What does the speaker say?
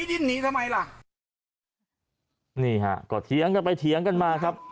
นี่นี่ฮะเขาเถี๊ยงกันไปเถียงกันมาครับ